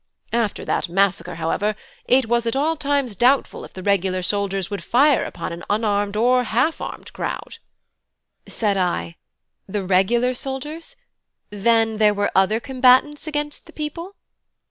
After that massacre, however, it was at all times doubtful if the regular soldiers would fire upon an unarmed or half armed crowd." Said I: "The regular soldiers? Then there were other combatants against the people?"